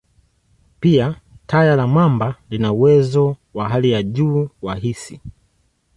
Pia, taya la mamba lina uwezo wa hali ya juu wa hisi.